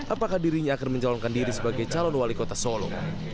apakah dirinya akan mencalonkan diri sebagai calon wali kota solo